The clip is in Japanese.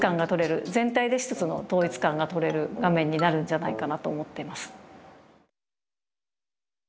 全体で一つの統一感がとれる画面になるんじゃないかなと思っています。